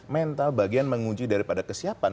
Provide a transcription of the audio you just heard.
mental bagian menguji daripada kesiapan